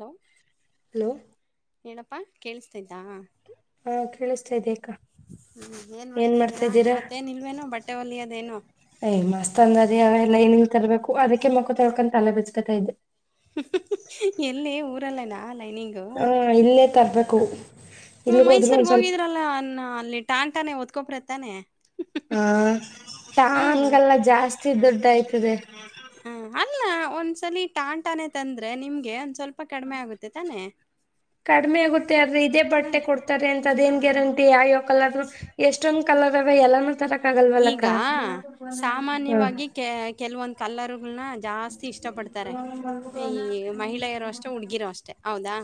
Hello... hello... ಏನಪ್ಪಾ ಕೇಳಸ್ತಾ ಇದ್ದಾ... ಹಾ ಕೇಳಿಸ್ತಾ ಇದ್ದೆ ಅಕ್ಕ ಹ್ಮ ಏನ್ ಮಾಡ್ತಾ ಇದಿದ್ದೀರಾ ಇವತ್ತೇನ್ ಇಲ್ವೇನು ಬಟ್ಟೆವಲ್ಲ... ಯ್ ಮಸ್ತ್ ಅಂದದೆಲ್ಲ ಏನಲ್ ತರ್ಬೇಕು ಅದಕ್ಕೆ ಮಖ ತಳ್ಕಂತ ಅಲ್ಲಭಚ್ಚಕತ ಇದೆ... ಲ್ಲನಾ [inaudible] ಹಾ ಇಲ್ಲೇ ತರ್ಬೇಕು... ಹ್ಮ ಇಲ್ಗ ಹೋದ್ರು ಮೈಸೂರ್ಗ್ ಒಂದ್ ಸ್ವಲ್ಪ ಹೋಗಿದ್ರಲ್ಲ ಅ ಅಲ್ಲಿ ಟಾನ್ ಾನೆ ಓದ್ಕೊಬ್ರತಾನೆ... ಹಾ ತನ್ಗೆಲ್ಲ ಜಾಸ್ತಿ ದುಡ್ಡ ಆಯ್ತದೆ... ಹ ಅಲ್ಲ ಒಂದ್ಸಲ ಟಾಟಾನೆ ತಂದ್ರೆ ನಿಮ್ಗೆ ಒಂದ್ ಸ್ವಲ್ಪ ಕಡಿಮೆ ಆಗುತ್ತೆ ತಾನೆ... ಕಡಿಮೆ ಆಗುತ್ತೆ ಅ್ರ ಇದೇ ಹ್ಮ ಬಟ್ಟೆ ಕೊಡ್ತಾರೆ ಅಂತ ಅದೇನ್ ಗ್ಯಾರಂಟಿ ಯಾವ್ಯಾವ ಕಲರ್ ಎಷ್ಟೊಂದ್ ಕಲರ್.... ಎಲ್ಲಾನೂ ತರಕ್ ಆಗಲ್ವಲ್ಲಕ್ಕ ಈಗ ಹ್ಮ... ಸಾಮಾನ್ಯವಾಗಿ ಕೆ ಕೆಲವೊಂದ್ ಕಲರ್. ಹನ್ನ ಜಾಸ್ತಿ ಇಷ್ಟಪಡ್ತಾರೆ ಈ ಮಹಿಳೆಯರು ಅಷ್ಟೆ ಹುಡುಗಿರ ಅಷ್ಟೇ ಹೌದಾ.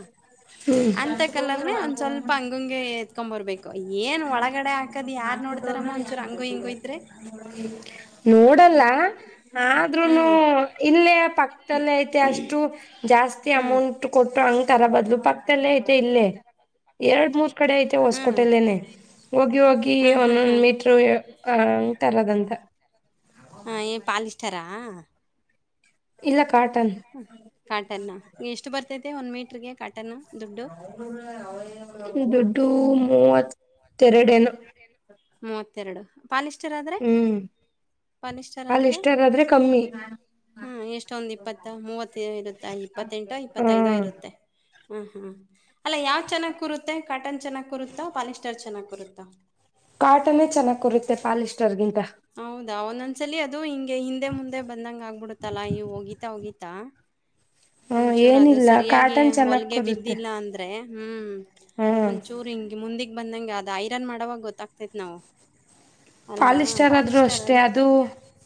ಅಂತ ಕಲ್ಲರ್ನನೆ ಒಂದ್ ಸ್ವಲ್ಪ ಹಂಗಂಗೆ ಎತ್ಕೊ ಬರ್ಬೇಕು. ಏನ್ ಒಳಗಡೆ ಹಾಕದ್ ಯಾರ್ ನೋಡ್ತಾರಮ್ಮ ಒಂಚೂರು ಹಂಗೂ ಹಿಂಗೋ ಇದ್ರೆ... ನಾ ಆದ್ರೂ ಹ್ಮ್ ಇಲೇ ಐ ಅಷ್ಟು ಜಾಸ್ತಿ ಹ್ಮ್ ಅಮೌಂಟ್ ಕೊಟ್ಟ ಅ... ತರ ಬದಲು ಪಕ್ತಲ್ಲೇ ಐತೆ ಇಲ್ಲೇ ಎರಡ್ ಮೂರ್ ಕಡೆ ಐತೆ ಹ್ಮ್ ಹೊಸ್ಕೊಟಲ್ಲೇನೆ... ಹೋಗಿ ಹೋಗಿ ಹ್ಮ್ ಹ್ಮ್ ಒಂದೊಂದ ಹ್ಮ್ ಮೀಟರು ಅ ತರದಂತ... ಹಾ ಏ ಪಾಲಿಸ್ಟಾರಾ.... ಇಲ್ಲ.. ಕಾಟನ್ ಹ ಕಾಟನ್ ಎಷ್ಟು ಬರ್ತೈತೆ ಒಂದ್ ಮೀಟ್ರಗೆ ಕಾಟನ್.... ದುಡ್ಡು ಡ್ಡುು ಮೂ.. ತೆರಡೇನು [inaudible] ಎರಡು ಹ್ಮ್ ಪಾಲಿಸ್ಟರ್ ಕಾಲ ಆದ್ರೆ ಇಷ್ಟದಾದ್ರೆ ಕಮ್ಮಿ ಹ್ಮ್ ಎಷ್ಟೊಂದ್ ಇಪ್ಪತ್ತ ಮೂವತ್ತ ಇರುತ್ತೆ ಇಪ್ಪತ್ತೆಂಟೋ ಇಪ್ಪತ್ತೈದೋ ಹ್ಮ್ ಇರುತ್ತೆ ಹ್ಮ್ ಹ್ಮ್ ಅಲ್ಲ ಯಾವ್ ಚೆನ್ನಾಗ್ ಕರುತ್ತೆ ಕಾಟನ್ ಚೆನ್ನಾಗ್ ಕರುತ್ತ ಪಾಲಿಸ್ಟರ್ ಚೆನ್ನಾಗ್ ಕರುತ್ತ ಕಾಟನೇ ಚೆನ್ನಾಗಿ ಕೊರುತ್ತೆ ಪಾಲಿಸ್ಟರ್ಗಿಂತ ಹೌದಾ? ಒಂದೊಂದ್ಸಲಿ ಅದು ಹಿಂಗೆ ಹಿಂದೆ ಮುಂದೆ ಬಂದಂಗ ಆಗ್ಬಿಡುತ್ತಲ್ಲಾ ಇವು ಹೋಗೀಿತಾ ಹೋಗೀತಾ ಹ್ಮ ಒಂಚೂರು ಅದು ಏನಿಲ್ಲ ಸರಿಯಾಗಿ ಕಾಟನ್ ಚೆನ್ನಾಗ್ ಹೊಲ್ಗೆ ಕೂರುತ್ತೆ ಬಿದ್ದಿಲ್ಲ ಅಂದ್ರೆ ಹ್ಮ್ ಹ್ಮ್ ಒಂದಚೂರು ಹೆಂಗ ಮುಂದಿಗ್ ಬಂದಂಗ ಅದ ಐರನ್ ಮಾಡವಾಗ ಗೊತ್ತಾಗ್ತೇತ್ ನಾವು ಅಲ್ವಾ ಪಾಲಿಸ್ಟರ್ ಆದರೂ ಪಾಲಷ್ಟ್ಟಾರ್ ಅಷ್ಟೇ ಆದ್ರೆ ಅದು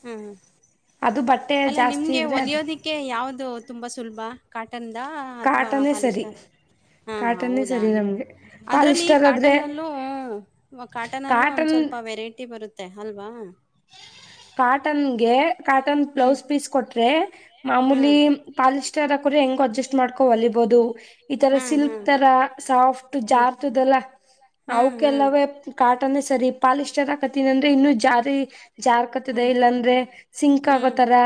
ಹ್ಮ್ ಅದು ಬಟ್ಟೆ ಅಲ್ಲ ಜಾಸ್ತಿ ನಿಮ್ಗೆ ಇದ್ದರೆ ಅದು ಒಲಿಯೋದಿಕ್ಕೆ ಯಾವ್ದ ತುಂಬಾ ಸುಲಭ ಕಾ ಟಂದ ಅಥವಾ ಕಾಟನ್ನೇ ಸರಿ ಪಾಲಿಸ್ಟರ್ ಹಾ ಕಾಟನ್ನೇ ಹೌದಾ ಸರಿ ನಮಗೆ ಅದ್ರಲ್ಲಿ ಪಾಲಿಸ್ಟರ್ ಆದರೆ ಕಾಟನ್ಲ್ ಕಾಟನ್ ಅಲ್ಲೂ ಒಂದ್ ಸ್ವಲ್ಪ ವೆರೈಟಿ ಬರುತ್ತೆ ಅಲ್ವಾ ಕಾಟನ್ಗೆ ಕಾಟನ್ ಬ್ಲೌಸ್ ಪೀಸ್ ಕೊಟ್ರೆ ಮಾಮೂಲಿ ಪಾಲಿಸ್ಟರ್ ಅಕ್ರೆ ಹೆಂಗು ಅಡ್ಜಸ್ಟ್ ಮಾಡ್ಕೊ ಹೊಲಿಬೋದು ಈತರ ಸಿಲ್ಕ್ ಇಲ್ಲ ತರ ಸಾಫ್ಟ್ ಜಾರ್ತದಲ್ಲ ಅವಕಲ್ಲವೇ ಕಾಟನೇ ಸರಿ ಪಾಲಿಸ್ಟರ್ ಹಾಕತೀನಿ ಅಂದ್ರೆ ಇನ್ನು ಜಾರಿ ಜಾರ್ಕೊತದೆ ಇಲ್ಲಾಂದ್ರೆ ಸಿಂಕ ಆಕೋತರ ಸಿಲ್ಕ್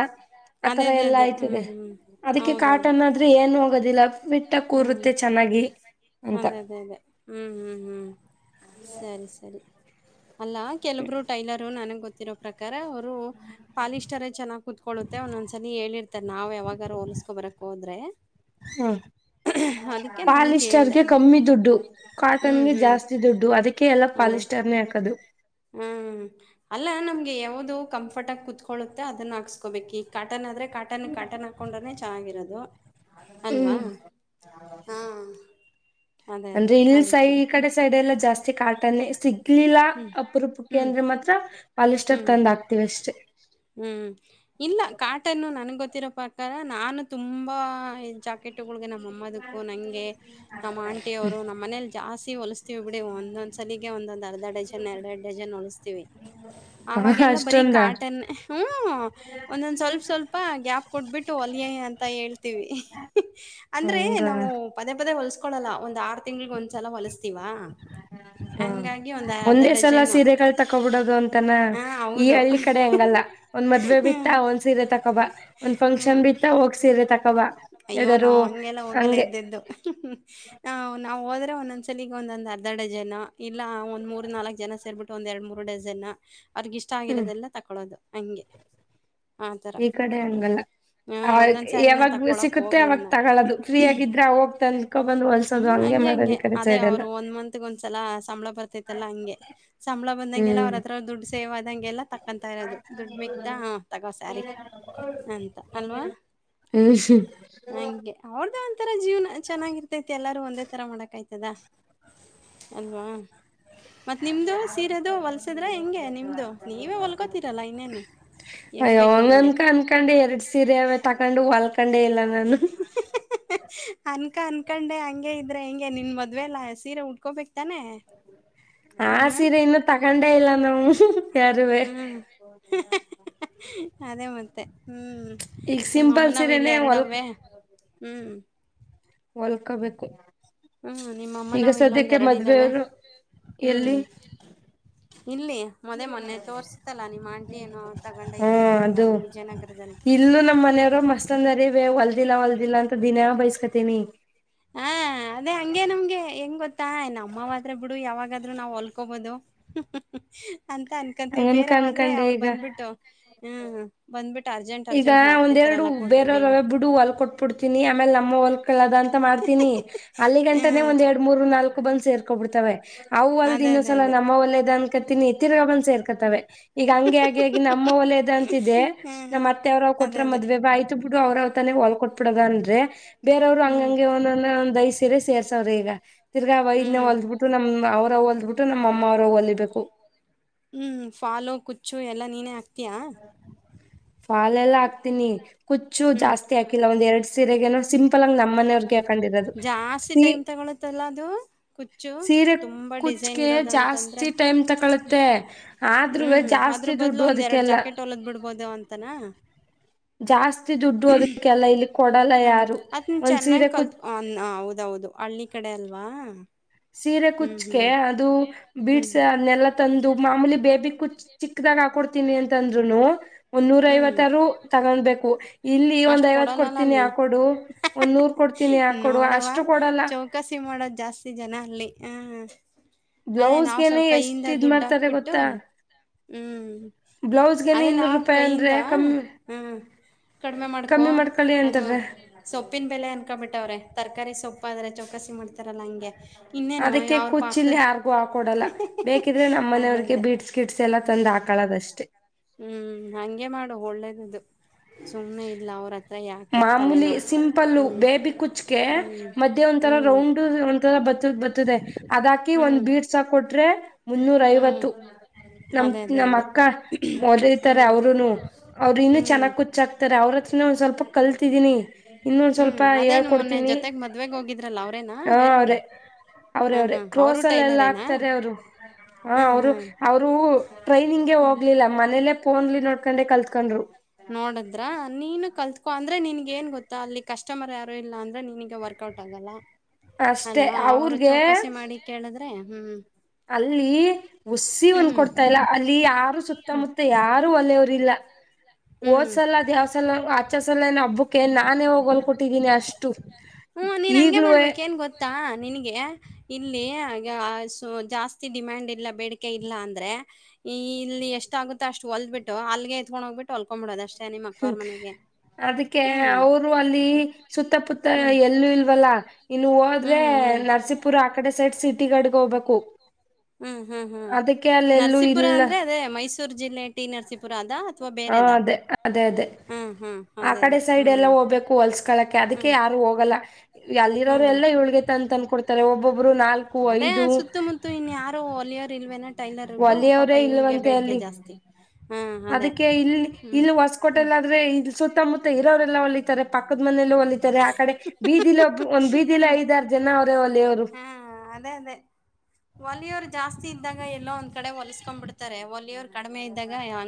ಅದೇ ಆತರ ಅದೇ ಎಲ್ಲಾ ಅದೇ ಆಯ್ತದೆ ಹ್ಮ್ ಹ್ಮ್ ಅದಕ್ಕೆ ಹೌದೌದು ಕಾಟನ್ ಆದ್ರೆ ಏನ್ ಹೋಗದಿಲ್ಲ ಹ್ಮ್ ಅಂತ ಅದೇ ಅದೇ ಅದೇ ಹ್ಮ್ ಹ್ಮ್ ಹ್ಮ್ ಸರಿ ಸರಿ ಅಲ್ಲಾ ಕೆಲಬ್ರು ಟೈಲರು ನನಗ್ ಗೊತ್ತ ರೋ ಪ್ರಕಾರ ಅವರು ಪಾಲಿಸ್ಟರೇ ಚೆನ್ನಾಗ್ ಕುತ್ಕೊಳ್ಳುತ್ತೆ ಒಂದೊಂದ್ಸರಿ ಹೇಳಿರ್ತಾರೆ ನಾವ್ ಯಾವಾಗ ಅವ ಕೊ ಬರಕ್ ಹೋದ್ರೆ ಹಾ ಅದಕ್ಕೆ ನಾನು ಕೇಳ್ದೆ ಪಾಲಿಸ್ಟರ್ಗೆ ಕಮ್ಮಿ ದುಡ್ಡು ಹ್ಮ್ ಕಾಟನ್ಗೆ ಹ್ಮ್ ಜಾಸ್ತಿ ದುಡ್ಡು ಅದಕ್ಕೆ ಅಕೆ ಎಲ್ಲ ಅದೇ ಪಾಲಿಸ್ಟರ್ನೇ ಹಾಕದು ಅಲ್ಲಾ ನಮ್ಗೆ ಯಾವ್ದು ಕಂಫರ್ಟ್ ಆಗಿ ಕುತ್ಕೊಳ್ಳುತ್ತೆ ಅದನ್ನ ಹಾಕ್ಸ್ಕೋಬೇಕ ಈ ಕಾಟನ್ ಆದ್ರೆ ಕಾಟನ್ ಕಾಟನ್ ಹಾಕೊಂಡ್ರೆ ಚೆಗಿರೋದು ಅಲ್ವಾ ಹ್ಮ್ ಹಾ ಅದೇ ಅದೇ ಅಂದ್ರೆ ಇಲ್ ಸೈ ಅದಕ್ಕೆ ಈ ಕಡೆ ಸೈಡೆ ಎಲ್ಲಾ ಜಾಸ್ತಿ ಕಾಟಾನೆ ಸಿಗ್ ಲೀಲಾ ಅಪರೂಪಕ್ಕೆ ಅಂದ್ರೆ ಮಾತ್ರ ಪಾಲಿಸ್ಟರ್ ಹ್ಮ್ ತಂದ್ ಹಾಕ್ತಿವಿ ಅಷ್ಟೇ ಹ್ಮ್ ಇಲ್ಲ ಕಾಟನ್ನು ನನ್ಗ್ ಗೊತ್ತಿರೋ ಪ್ರಕಾರ ನಾನು ತುಂಬಾ ಜಾಕೆಟ್ ನಮ್ಮ ಅಮ್ಮಕ್ಕು ನಂಗೆ ನಮ್ಮ್ ಆಂಟಿವ್ರು ನಮ್ಮ್ ಮನೇಲಿ ಜಾಸ್ತಿ ಹೊಲಸ್ತೀವಿ ಬಿಡಿ ಒಂದೊಂದ್ಲಿಗೆ ಒಂದೊಂದ್ ಅರ್ಧ ಡಜನ್ ಎರಡೆರಡ್ ಡಜನ್ ಹೊಲಿಸಸ್ತೀವಿ ಹ ಅವಾಗೆಲ್ಲ ಅಷ್ಟೊಂದ ಬರಿಕಾಟನ್ ಹ್ಮ ಒಂದೊಂದ್ ಸ್ವಲ್ಪ ಸ್ವಲ್ಪ ಗ್ಯಾಪ್ ಕೊಟ್ಬಿಟ್ಟು ಹೊಲ್ಯ ಅಂತ ಹೇಳ್ತೀವಿ ಅಂದ್ರೆ ಹಂಗ ನಾವು ಪದೇ ಪದೇ ಹೊಲ್ಸ್ ಕಲ್ಲ ಒಂದ್ ಆರು ತಿಂಗೆ ಒಂದ್ಸಲ ಹೊಲಿಸಸ್ತೀವಾ ಹಾ ಒಂದೇ ಸಲ ಸೀರೆಕಾಯಿ ತಕೋಬಿಡೋದು ಅಂತ ಹಾ ಈ ಹೌದು ಹಳ್ಳಿ ಕಡೆ ಹಂಗಲ್ಲ ಒಂದ್ ಮದ್ವೆ ಬಿತ್ತ ಹ್ಮ್ ಒಂದ್ ಸೀರೆ ತಕೊಬ ಒಂದ್ ಫಂಕ್ಷನ್ ಹ್ಮ್ ಬಿತ್ತ ಹೋಗ್ಸರೆ ತಕೊಬ ಅಯ್ಯೋ ಯಾವ್ದಾರು ನಾವು ಹಂಗೆಲ್ಲ ಹೋಗಲ್ಲ ಹಂಗೆ ಇದ್ದಿದ್ದು ನಾ ಹೋದ್ರೆ ಒಂದೊಂದ್ಸಲಲಿಗ್ ಒಂದೊಂದ ಅರ್ಧ ಡಜನ್ ಇಲ್ಲ ಒಂದ್ ಮೂರ್ ನಾಲ್ಕಕ್ ಜನ ಸೇರ್ಬಿಟ್ಟು ಒಂದ್ ಎರಡ್ ಮೂರು ಡಜನ್ ಅವ್ರಗಿಷ್ಟ ಹ್ಮ್ ಆಗಿರೋದೆಲ್ಲ ತಕೊಳ್ಳೋದು ಹಂಗೆ ಆತರ ಈ ಕಡೆ ಹಂಗಲ್ಲ ಹ ಒಂದೊಂದ್ ಸಾರಿನ ಯಾವಾಗ ತಕ್ಕೊಳಕ್ ಸಿಗುತ್ತೆ ಹೋಗಲ್ಲ ಅವಾಗ ನಾ ತಗೊೋದು ಫ್ರೀಯಗಿದ್ರೆ ಆ ಹೋಗ್ತಂದಕೊ ಬಂದ್ ಹೊಲ್ಸೋದು ಹಂಗೆ ಮಾಡೋದ ಕರೆ ಸೈಡೆಲ್ಲ ಮತ್ ಒಂದ್ಸಲ ಸಂಬಳ ಬರ್ತೈತಲ್ಲ ಹಂಗೆ ಸಂಬಳ ಬಂದಾಗಲ್ಲ ಹ್ಮ್ ಅವ್ರತ್ರ ದುಡ್ಡು ಸೇವ ದಂಗೆಲ್ಲ ತಕೊಂತ ಇರೋದು ದುಡ್ ಮಿಕ್ತಾ ತಗೋ ಸ್ಯಾರಿ ಅಂತ ಅಲ್ವಾ ಹ್ ಹಂಗಗೆ ಅವ್ರದಾ ಒ ತರ ಜೀವನ ಚೆನ್ನಾಗಿರ್ತೈತಿ ಎಲ್ಲಾರು ಒಂದೇ ತರ ಮಾಡಕ ಆಯ್ತದ ಅಲ್ವಾ ಮತ್ತ್ ನಿಮ್ದು ಸೀರದು ಹೊಲ್ಸದ್ರ ಹೆಂಗೆ ನಿಮ್ದ ನೀವೇ ಹೊಲ್ಕೋತಿರಲ್ಲ ಇನ್ನೇನು ಹೆಂಗ್ ಬೇಕು ಅಯ್ಯಂಗ ಹಂಗೆ ಅನ್ಕ ಅನ್ಕೊಂಡು ಎರಡ್ ಸೀರೆ ತಕೊಂಡು ಹೊಲ್ಕ ಕಂಡೇ ಇಲ್ಲ ನಾನು ತನ್ಕ ಅನ್ಕೊಂಡೆ ಹಂಗೆ ಇದ್ರೆ ಹೆಂಗೆ ನಿನ್ ಮದ್ವೆಲ್ಲ ಸೀರೆ ಉಟ್ಕೋಬೇಕಕ್ತಾನೆ ಆ ಸೀರೆ ಇನ್ನು ತಗೊಂಡೇ ಇಲ್ಲ ನಾವು ಯಾರುವೆ ಹ್ಮ್ ಅದೇ ಮತ್ತೆ ಹ್ಮ್ ಈಗ ನಿಮ್ಮ ಸಿಂಪಲ್ ಅಮ್ಮನವು ಇಲ್ಲ ಸೀರೆನೆೇ ಹೊಲ್ ಎರಡವೇ ಹ್ಮ್ ಹೊಲ್ಕೋಬೇಕು ಹ್ಮ್ ನಿಮ್ಮಮ್ಮ ಈಗ ನಾವ್ ಇಲ್ಲೊಂದ ಸದ್ಯಕ್ಕೆ ಎರಡ ಇದ್ದಾವೆ ಮದ್ವೆಯವರು ಹ್ಮ್ ಎಲ್ಲಿ ಇಲ್ಲಿ ಮೊದೆ ಮೊನ್ನೆ ತೋರ್ಸತಲ್ಲಾ ನಿಮ್ಮ ಆಂಟಿ ಏನೋ ಹಾ ತಗೊಂಡೈತೆ ಅಂತ ಅಲ್ಲಿ ವಿಜಯನಗರದಲ್ಲಿ ಮನೆಯವ್ರು ಮಸ್ತ್ ಅಂದರಿ ಬೇ ಹೊಲ್ದಿಲ್ಲ ಹೊಲ್ದಿಲ್ಲ ಅಂತ ದಿನ ಬೈಸ್ಕತೀನಿ ಹಾ ಅದೇ ಹಂಗೆ ನಮ್ಗೆ ಹೆಂಗ್ ಗೊತ್ತ ತ್ತಾ ನಮ್ಮವಾದ್ರ ಬಿಡು ಯಾವಾಗಾದ್ರರು ನಾವ್ ಹೊಲ್ಕೋಬೋದು ಅಂತ ಅನ್ಕೊಂತೀವಿ ಹಂಗನ್ಕ ಬೇರೆವಾದ್ರೆ ಅನ್ಕೊಂಡೆ ಅವ್ರು ಈಗ ಬಂದ್ಬಿಟ್ಟು ಹ್ಮ್ ಬಂದ್ಬಿಟ್ಟು ಅರ್ಜೆಂಟ್ ಈಗ ಅರ್ಜೆಂಟ್ ಒಂದೆರಡು ಮಾಡ್ತಿರ್ತಾರಲ್ಲ ಕೊಡ್ರಿ ಬೇಗ ಬೇರೆಯವರುಬ್ಬಡು ಹೊಲ್ ಕೊಟ್ಬಿಡ್ತೀನಿ ಆಮೇಲೆ ನಮ್ಮ ಹೊಲ್ ದಂತ ಮಾಡ್ತೀನಿ ಅಲ್ಲಿ ಗಂಟನನೆ ಹ್ಮ್ ಒಂದ ಎರಡ್ ಮೂರ್ ನಾಲ್ಕು ಬಂದ್ ಸೇರ್ಕೊಬ ಬಿಡ್ತವೆ ಅವು ಅಲ್ದ ಅದೇ ಅದೇ ಇನ್ನಸಲ ನಮ್ಮ ಅದೇ ಒಲ್ಲೇದ ಅನ್ಕತಿನಿ ಎತ್ತರ್ ಬ ಸೇರ್ಕತವೆ ಈಗ ಹಂಗಗೆ ಹಾಗ ಆಗ ನಮ್ಮ ಒಲದ ಅಂತಿದೆ ಹ್ಮ್ ಮತ್ತ ಅವ್ರವ್ ಅದೇ ಕೊಟ್ರ ಅದೇ ಮದ್ವೆ ಆಯ್ತು ಬಿಡು ಅವ್ರವ್ ತನೆ ಹೊಲ್ ಕೊಟ್ಬಿಡದನ್ರಿ ಬೇರವ್ರು ಹ್ಮ್ ಹಂಗಂಗಗೆ ದಯ ಸೀರೆ ಸೇರ್ಸವ್ರೆ ಈಗ ತಿರ್ಗಾ ವೈದ ಹ್ಮ್ ಹೊಲ್ದ್ಬಿಟ್ಟು ನಮ ಅವ ಹೊಲ್ದ್ಬಿಟ್ಟು ನಮ್ಮಮ್ಮ ಅವರು ಹೊಲಿಬೇಕು ಹ್ಞೂ ಫಾಲು ಕುಚ್ಚು ಎಲ್ಲ ನೀನೇ ಹಾಕ್ತೀಯಾ ಫಾಲಲ್ಲ್ಲ ಹಾಕ್ತೀನಿ ಕುುಚ್ಚು ಹ್ಮ್ ಜಾಸ್ತಿ ಹಾಕಿಲ್ಲ ಒಂದ್ ಎರಡ್ ಸೀರೆಗ ಸಿಂಪಲ್ ಆ ನಮ್ಮ್ನವ್ರಗೆ ಹಾಕ ಜಾಸ್ತಿ ಟೈಮ್ ತಗೊಳತ್ತಲ್ಲ ಅದು ಕುಚ್ಚು ಸೀರೆ ತುಂಬಾ ಡಿಸೈನ್ ಕುಚ್ಕ ಇರೋದಂತಂದ್ರೆ ಜಾಸ್ತಿ ಜ ಟೈಮ್ ತಕೊಳ್ಳುತ್ತೆ ಆದ್ರೂ ಹ್ಮ್ ಅದ್ರ ಜಾಸ್ತಿ ಬದ್ಲು ದುಡ್ಡು ಒಂದ್ ಎರಡ್ ಅದಕ್ಕೆಲ್ಲ ಜಾಕೆಟ್ ಹೊಲದ್ ಬಿಡ್ಬೋದು ಅಂತನಾ ಜಾಸ್ತಿ ದುಡ್ಡು ಅದಕ್ಕೆಲ್ಲ ಇಲ್ಲಿ ಕೊಡಲ್ಲ ಹ್ಮ್ ಯಾರು ಒಂದ ಸೀರೆ ಕುತ್ ಅದೌದು ಹಳ್ಳಿ ಕಡೆ ಅಲ್ವಾ ಸೀರೆ ಹ್ಮ್ ಕುಚ್ಕ ಹ್ಮ್ ಅದು ಬೀಡ್ಸ್ ಹ್ಮ್ ಅದನ್ನೆಲ್ಲ ತಂದು ಮಾಮೂಲಿ ಬೇಬಿ ಕುಚ್ ಚಿಕ್ಕದಾಗ ಹಾಕೊಡ್ತೀನಿ ಅಂತಂದ್ರುನು ಒ್ರ ಹ್ಮ್ ಐವತ್ತಾರರು ತಗೊಡ್ಬೇಕು ಇಲ್ಲಿ ಒಂದ್ ಅಷ್ಟ್ ಐವತ್ತು ಕೊಡಲ್ಲಲ್ಲ ಕೊಡ್ತೀನಿ ಅಲ್ಲಿ ಆಕ ಕೊಡು ಒಂದೂರ್ ಕೊ ನೋಡವ ಚೌಕಸಿ ಮಾಡೋದು ಜಾಸ್ತಿ ಜನ ಅಲ್ಲಿ ಹ ಅದೇ ನಾವ್ ಬ್ಲೌಸ್ಗೆನೆ ಸ್ವಲ್ ಕೈಯಿಂದ ಎಷ್ಟ್ ಇದ್ ದುಡ್ಡು ಮಾಡ್ತಾರೆ ಹಾಕ್ಬಿಟ್ಟು ಗೊತ್ತಾ ಹ್ಮ್ ಬ್ಲೌಸ್ಗೆನೆ ಅದ ಇನ್ನೂರು ನಾವ್ ರೂಪಾಯಿ ಅಂದ್ರೆ ಕೈಯಿಂದ ಕಮ್ಮಿ ಹ್ಮ ಕಡಿಮೆ ಮಾಡ್ಕೊ ಕಮ್ಮಿ ಮಾಡ್ಕೊಳ್ಳಿ ಅದು ಅಂತಾರ ಸೊಪ್ಪಿನ ಬೆಲೆ ಅನ್ಕಬಿಟ್ಟವ್ರೆ ತರಕಾರಿ ಸೊಪ್ಪು ಆದ್ರೆ ಚೌಕಸಿ ಮಾಡ್ತಾರಲ್ಲ ಹಂಗೆ ಇನ್ನೇನು ಅದಕ್ಕೆ ಅವ್ರ ಕುಚ್ಚಿಲಿ ಪಾಕದ ಯಾರ್ಗೂ ಹಾಕೊಡಲ್ಲ ಬೇಕಿದ್ರೆ ನಮ್ಮ ಅದೇ ಮನೆಯವ್ರಿಗೆ ಅದೇ ಬೀಟ್ಸ್ ಕಿಟ್ಸ್ ಎಲ್ಲ ತಂದು ಹಾಕ್ ಕಳದಷ್ಟೇ ಹ್ಮ್ ಹಗೆ ಮಾಡು ಒಳ್ಳೇದ್ದು ಸುಮ್ನೆ ಇಲ್ಲ ಅವ್ರ ಹ ಯಾಕೆ ತಲೆ ಮಾಮೂಲಿ ನೋವು ಸಿಂಪಲ್ಲು ಹ್ಮ್ ಬೇಬಿ ಕುಚ್ಗೆ ಹ್ಮ್ ಮಧ್ಯೆ ಒಂಥರ ಹ್ಮ್ ರೌಂಡ್ ಒಂಥರ ಬತ್ತದ್ ಬತ್ತದೆ ಅದಾಕಿ ಒಂದ್ ಹ್ಮ್ ಬೀಡ್ಸ ಕೊಟ್ರೆ ಮುನ್ನೂರ ಹ್ಮ್ ಐವತ್ತು ನಮ ಅದೇ ಅದೇ ನಮ್ಮ್ ಅದೇ ಅಕ್ಕ ಹೊದತಾರೆ ಹ್ಮ್ ಅವರುೂನು ಅವರು ಇನ್ನು ಹ್ಮ್ ಚೆನ್ನಾಗಿ ಕುಚ್ಚಾಕ್ತಾರೆ ಅವ್ರತ್ರ ಒಂದ್ ಸ್ವಲ್ಪ ಕಲ್ತಿದ್ದೀನಿ ಹ್ಮ್ ಅದೇನು ಮೊನ್ನೆ ಜೊತೆಗ್ ಮದ್ವೆಗ್ ಹೋಗಿದ್ರಲ್ಲ ಅವ್ರೇನ ಹ ಬೇರವರ ಅವ್ರೆ ಅವ್ರೇ ಅವ್ರೆ ಕ್ರೋಸ್ಲ್ಲ ಎಲ್ಲ ಹಾಕ್ತಾರೆ ಅವರು ಹ ಹ್ಮ್ ಅವರು ಹ್ಮ್ ಅವರು ಟ್ರೈನಿಂಗ್ಗೆ ಹ್ಮ್ ಹೋಗ್ಲಿಲ್ಲ ಮನೇಲೆ ಫೋನ್ಲಿ ನೋಡ್ಕೊಂಡೆ ಕಲ್ತ್ಕೊಂಡ್ರು ನೋಡದ್ರ ನೀನು ಕಲ್ತ್ ಅಂದ್ರೆ ನಿನ್ಗೆ ಏನ್ ಗೊತ್ತಾ ಅಲ್ಲಿ ಕಸ್ಟಮರ್ ಯಾರು ಇಲ್ಲ ಅಂದ್ರೆ ನಿನಗೆ ವರ್ಕ್ ಔಟ್ ಆಗಲ್ಲ ಅಷ್ಟೆ ಅಲ್ವಾ ಅವರು ಅವ್ರಗೆ ಚೌಕಸಿ ಮಾಡಿ ಕೇಳಿದ್ರೆ ಹ್ಮ್ ಅಲ್ಲಿ ಹುಸಿ ಒಂದ್ ಹ್ಮ್ ಕೊಡ್ತಾ ಇಲ್ಲ ಅಲ್ಲಿ ಯಾರು ಸುತ್ತಮುತ್ತ ಯಾರು ಒಳೆಯವ್ರಲಿಲಾ ಹ್ಮ್ ಓದ್ಸಲ ಅದು ಯಾವ್ ಸಲ ಆಚೇ ಸಲ ಹಬ್ಬಕ್ಕೆ ನಾನೇ ಹೋಗ ತಗೊಂಡ ಕೊಟ್ಟಿದ್ದೀನಿ ಅಷ್ಟು ಈಗ್ಲೂವೆ ಹ ನಿನಗೆ ಇಲ್ಲಿ ಜಾಸ್ತಿ ಡಿಮ್ಯಾಂಡ್ ಇಲ್ಲ ಬೇಡಿಕೆ ಇಲ್ಲ ಅಂದ್ರೆ ಈ ಇಲ್ಲಿ ಎಷ್ಟ ಆಗುತ್ತೆ ಅಷ್ಟು ಹೊಲಬಿಟ್ಟು ಅಲ್ಲಿಗೆ ತಗೊಂಡೋಗ ಟ್ಟೋಳ್ಕೊಡೋ ಅಷ್ಟೇ ನಿಮ್ಮ ಅಕ್ಕ ಹ್ಮ ಅವ್ರ ಮನೆಗೆ ಅದಕ್ಕೆ ಹ್ಮ್ ಅವರು ಅಲ್ಲಿ ಸುತ್ತ ಪುತ್ತ ಹ್ಮ್ ಎಲ್ಲೂ ಇಲ್ವಲ್ಲಾ ಇನ್ನು ಹ್ಮ್ ಹೋದ್ರೆ ಹ್ಮ್ ನರಸೀಪುರ ಆ ಕಡೆ ಸೈಡ್ ಸಿಟಿ ಅಡಿಗೆ ಹೋಗ್ಬೇಕು ಹ್ಮ್ ಹ್ಮ್ ಹ್ಮ್ ಅದಕ್ಕೆ ಅಲ್ಲೆಲ್ಲೂ ನರಸೀಪುರ ಇಲ್ಲ ಅಂದ್ರೆ ಅದೇ ಮೈಸೂರ ಜಿಲ್ಲೆ ಟಿ ನರಸೀಪುರ ಅದ ಅಥ್ವಾ ಹಾ ಬೇರೆದ ಅದೇ ಅದೇ ಅದೇ ಹಾ ಹ್ಮ ಅದೇ ಅದೇ ಹ್ಮ್ ಹೊಲಲ್ಸ್ಕೊಳ್ಳಳಕೆ ಅದಕ್ಕೆ ಯಾರು ಹೋಗಲ್ಲ ಅಲ್ಲಿರೋರು ಹ್ಮ್ ಹ್ಮ್ ಎಲ್ಲ ಇವಳ್ಗೆ ತಂತ ಅಂದನ್ಕೊಡ್ತಾರೆ ಒಬ್ಬೊಬ್ ಅದೇ ಸುತ್ತಮುತ್ತು ಇನ್ ಯಾರು ಒಲಿಯರ್ ಇಲ್ವೇನ ಟೈಲರ್ಗಳು ಪಾಪ ಒಲೆಯವರೇ ಇವ್ರಿಗೆ ಇಲ್ವಂತೆ ಬೇಡಿಕೆ ಅಲ್ಲಿ ಜಾಸ್ತಿ ಹಾ ಅದೇ ಅದಕ್ಕೆ ಇಲ್ಲಿ ಹ್ಮ್ ಇಲ್ಲಿ ಹ್ಮ್ ಹ್ಮ್ ಹೊಸಕೋಟೆಯಲ್ಲಿ ಆದ್ರೆ ಇ ಸುತ್ತ ಮುತ್ತೆ ಇರೋವರೆಲ್ಲ ಹೊಲಿತಾರೆ ಪಕ್ಕದ ಮನೇಲ್ಲ ಹೊಲಿತ ರೇ ಆ ಕಡೆ ಬೀದಿಲ ಒಂದ್ ಬೀದಿಲ ಐದಾರು ಜನ ಅವರೇ ಒಲೆ ಅವರು ಒಲೆಯೋರು ಜಾಸ್ತಿ ಇದ್ದಾಗ ಎಲ್ಲೋ ಒಂದ್ ಕಡೆ ಹೊಲಸ್ಕೊಂಡ್ ಬಿಡ್ತಾರೆ ಒಲೆಯೋರ್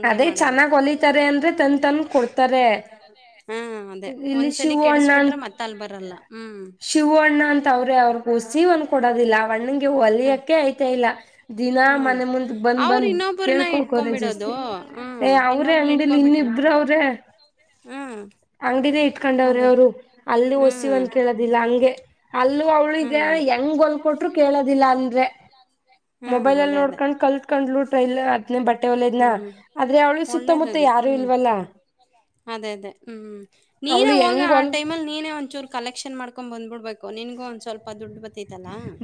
ಅದೇ ಚೆನ್ನಾಗ್ ಹೊಲಿತಾರೆ ಅಂದ್ರೆ ತಂದ ತಂದ ಕೊಡ್ತಾರೆ ಹಾ ಅದೇ ಒಂದ್ಸಲ ಕೆಡಸ ಶಿವುಅಣ್ಣ ಅಂತ ಅವ್ರೇ ಅವ್ರಗೂಸ ಒಂದ ಕೊಡೋದಿಲ್ಲಣ್ಣ ಹ್ಮ್ ಹೊಲಿಯಕ್ಕೆ ಆಯ್ತಾ ಇಲ್ಲ ದಿನ ಹ್ಮ್ ಮನೆ ಮುಂದೆ ಬಂದ್ ಅವರು ಬಂದ್ ಇನ್ನೊಬ್ಬ್ರನ್ನ ಕೇಳ್ಕೊಂಡ ಇಟ್ಕೊಬಿಡೋದು ಜಸ್ತಿ ಏ ಹ್ಮ್ ಅವ್ರೇ ಇನ್ನೊಬ್ರನ್ನ ಅಂಗಡಿಲಿ ಇಟ್ಕೊಬಿಟ್ರೆ ಇನ್ನಿಬ್ರ ಅವ್ರೇ ಹ್ಮ್ ಅಂಗಡಿನೇ ಇಟ್ಕೊಂಡವ್ರೆ ಅದೇ ಅವ್ರು ಅಲ್ಲಿ ಹೊಸಿವ್ ಹ್ಮ್ ಅನ್ ಕೇಳೋದಿಲ್ಲಂಗ ಹಿಂಗೆ ಅಲ್ಲೂ ಅವ್ಳಿಗೆ ಹ್ಮ್ ಹೆಂಗ ಹೊಲ್ಕೊಟ್ರು ಕೇಳೋದಿಲ್ಲ ಅಂದ್ರೆ ಹ್ಮ್ ಮೊಬೈಲ್ನಲ್ಲಿ ಅದೇ ಅದೇ ನೋಡ್ಕೊಂಡ್ ಕಲ್ತ್ಕೊಂಡ್ಲು ಟ್ರೈಲರ್ ತ್ನ ಬಟ್ಟೆ ಒಲದ್ನ ಹ್ಮ್ ಆದ್ರೆ ಅವಳು ಸುತ್ತಮುತ್ತ ಒಳ್ಳೇದದು ಯಾರು ಹ್ಮ್ ಇಲ್ವಲ್ಲ ಅದೇ ಅದೇ ಹ್ಮ್ ನೀನೇ ಅವಳು ಹೋಗ ಹೆಂಗ್ ಆ ಹೊಲ್ ಟೈಮಲ್ಲಿ ನೀನೇ ಒಂಚೂರ ಕಲೆಕ್ಷನ್ ಮಾಡ್ಕೊ ಬಂದ್ಬಿಡ್ಬೇಕು ನಿನ್ಗು ಒಂದ ಸ್ವಲ್ಪ ದುಡ್ಡು ಬ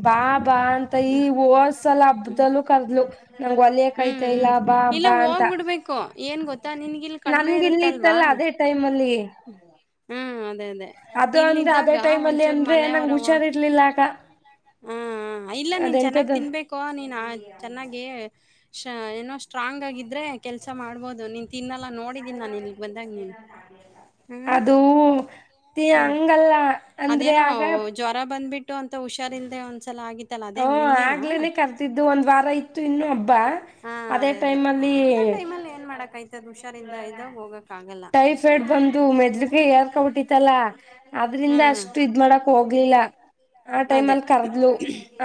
ಬಾ ಬಾ ಅಂತ ಈ ಹೋದಸಲ ಹ್ಮ್ ಹಬ್ಬದಲ್ಲೂ ಕರದ್ಲು ನಂಗಗೆ ಒಲ್ಕಯಾಕ ಹ್ಮ್ ಹ್ಮ್ ಆಗತಿಲ್ಲಾ ಬಾ ಅ ಇಲ್ಲ ಬಾ ಅಂತ ಹೋಗ್ಬಿಡ್ಬೇಕು ಏನ್ ಗೊತ್ತಾ ನಿನ್ಗಿಲ್ ಕಡಿಮೆ ನನ್ಗ ಇಲ್ಲಿ ಇರುತ್ತಲ್ವಾ ಇತ್ತಲ್ಲ ಅದೇ ಟೈಮ್ ಅಲ್ಲಿ ಹ್ಮ [inaudible] ಹ್ಮ್ ಅದೇ ಅದೇ ಅದು ಅಂದ್ರೆ ಅದೇ ಇಲ್ಲಿದ್ದಾಗ ಟೈಮ್ ಅಲ್ಲಿ ಒಂಚೂರು ಅಂದ್ರೆ ನಂಗ್ ಹುಷಾರಿರ್ಲಿಲ್ಲ ಆಗ ಹಾ ಇಲ್ಲ ನೀನ್ ಚೆನ್ನಾಗ್ ತಿನ್ಬೇಕು ನೀನ್ ಚೆನ್ನಾಗಿ ಏನೋ ಸ್ಟ್ರಾಂಗ್ ಆಗಿದ್ರೆ ಕೆಲ್ಸ ಮಾಡ್ಬೋದು ನೀನ್ ತಿನ್ನಲ್ಲಾ ನೋಡಿದ್ದೀನಿ ನಾನು ಇಲಿ ಅದು ಹ್ಮ್ ಹಂಗಲ್ಲ ಅಂದ್ರೆ ಆಗ ಟ್ಟ ಅಂತ ಹುಷಾರಿಂದ ಒಂದ ಹಓ ಆಗ್ಲೇನೆ ಕರ್ತಿದ್ದು ಒಂದ್ ವಾರ ಇತ್ತು ಇನ್ನು ಹಬ್ಬ ಹಾ ಅದೇ ಅದೇ ಟೈಮ್ ಅಲ್ಲಿ ಅಂತ ಟೈಮ್ ಲ್ಲಿ ಏನ್ ಮಾಡಕ್ತೆ ಹುಷಾರಿಂದ ಇದಾಗ ಹೋಗಕ್ ಆ ಟೈಫೈಡ್ ಬಂದು ಮೆದ್ಲುಕ ಯಾರ್ಕಬಿಟ್ಟಿತ್ತಲ್ಲ ಆದದ್ರಿಂದ ಹ್ಮ್ ಅಷ್ಟು ಇದ್ ಮಾಡ ಹೋಗ್ಲಿಲ್ಲ ಆ ಟೈಮ್ ಅದೇ ಅಲ್ಲಿ ಕರ್ದ್ಲು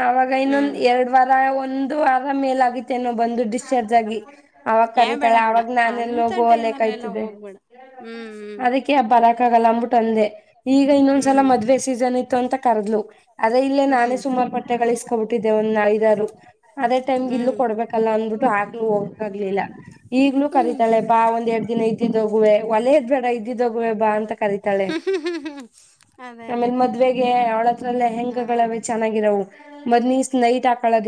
ಆವಾಗ ಇನ್ನೊಂದ ಹ್ಮ್ ಎರಡ್ ವಾರ ಒಂದು ಆರಾಮ್ ಮೇಲ ಆಗತೆೇನೋ ಬಂದು ಡಿಸ್ಚಾರ್ಜ್ ಆಗಿ ಅವಾಗ ಏ ಬೇಡ ಕರತಾಳೆ ಬೇಡ ಅವಾಗ ನಾನೆಲ್ಲ ಅಂತ ಹೋಗುವಲ ಟೈಮಲ್ಲೆಲ್ಲ ಕಾಯ್ತದೆ ಹೋಗ್ಬೇಡ ಹ್ಮ್ ಅದಕ್ಕೆ ಬರಕ ಆಗಲ್ಲ ಅ್ಬಟ್ಟು ಅಂದೆ ಈಗ ಇನ್ನೊಂದ್ಸಲ ಹ್ಮ್ ಮದ್ವೆ ಸೀಸನ್ ಇತ್ತು ಅಂತ ಕರದ್ಲು ಅದೇ ಇಲ್ಲೇ ನಾನೇ ಹ್ಮ್ ಸುಮಾರು ಬಟ್ಟೆಗಳು ಹಬಿಟ್ಟೆ ಒಂದ್ ಐದಾರು ಅದೇ ಟೈಮ್ಗೆ ಇಲ್ಲೂ ಹ್ಮ್ ಕೊಡ್ಬೇಕಲ್ಲ ಅಂದ್ಬಿಟ್ಟು ಆಗಲು ಹೋಗಲ್ಲ ಈಗ್ಲೂ ಕರೀತಲ್ಲೆ ಬಾ ಒಂದ ಎರಡ್ ದಿನ ಇದ್ದು ಗುವೆ ಒಲದ್ ಬೇಡ ಇದ್ದಿದ್ದೋಗುವೆ ಬಾ ಅಂತ ಕರತಾಳೆ ಹ್ಮ್ ಅದೇ ಅದೇ ಆಮೇಲೆ ಮದ ಹ್ಮ್ ಹೆಂಗಗಳೆ ಚೆನ್ನಾಗಿರವು ಮದ್ನ ಸ್ ನನೈಟ್ ಹಾಕಳದ